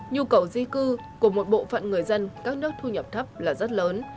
nhu cầu di cư của một bộ phận người dân các nước thu nhập thấp là rất lớn